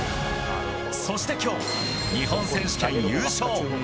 そしてきょう、日本選手権優勝。